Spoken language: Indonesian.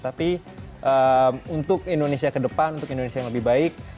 tapi untuk indonesia ke depan untuk indonesia yang lebih baik